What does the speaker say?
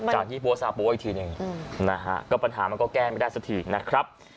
จากที่ปัญหาปูอีกทีหนึ่งปัญหามันก็แก้ไม่ได้สักทีนะครับ